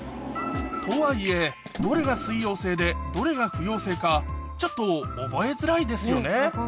とはいえどれが水溶性でどれが不溶性かちょっと覚えづらいですよね